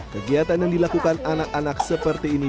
kegiatan yang dilakukan anak anak seperti ini